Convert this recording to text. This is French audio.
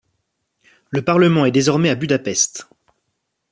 Le Parlement est désormais à Budapest.